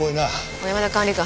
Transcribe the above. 小山田管理官